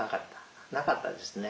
なかったですね。